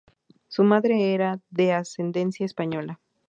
Su madre era de ascendencia española.